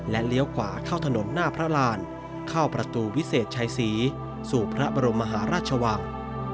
เลี้ยวขวาเข้าถนนหน้าพระรานเข้าประตูวิเศษชัยศรีสู่พระบรมมหาราชวัง